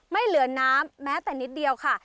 ไม่เหลือน้ำแม้แต่นิดเดียวค่ะ